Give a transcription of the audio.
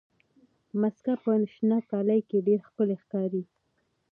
مځکه په شنه کالي کې ډېره ښکلې ښکاري.